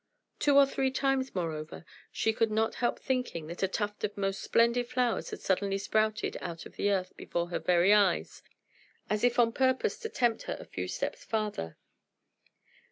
Two or three times, moreover, she could not help thinking that a tuft of most splendid flowers had suddenly sprouted out of the earth before her very eyes, as if on purpose to tempt her a few steps farther.